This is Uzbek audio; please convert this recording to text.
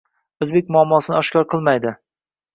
o‘zbek muammosini oshkor qilmaydi